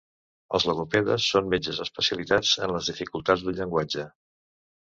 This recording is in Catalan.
Els logopedes són metges especialitzats en les dificultats del llenguatge.